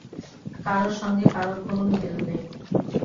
কারোর সঙ্গে কারোর কোনো মিল নেই।